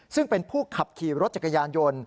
ซึ่งเป็นผู้ขับขี่รถจักรยานยนต์